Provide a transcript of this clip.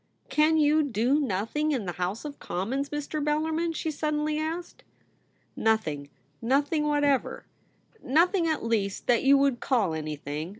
' Can you do nothing in the House of Com mons, Mr. Bellarmin ?' she suddenly asked. ' Nothing ; nothing whatever. Nothing, at least, that you would call anything.